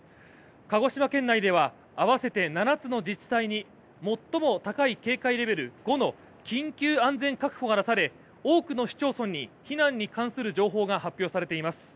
鹿児島県内では合わせて７つの自治体に最も高い警戒レベル５の緊急安全確保が出され多くの市町村に避難に関する情報が発表されています。